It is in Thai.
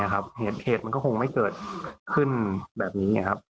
เหตุมันก็คงไม่เกิดขึ้นแบบนี้ครับ